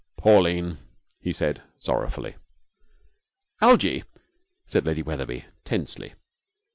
'Pauline!' he said, sorrowfully. 'Algie!' said Lady Wetherby, tensely.